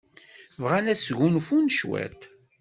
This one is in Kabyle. Bɣan ad sgunfun cwiṭ.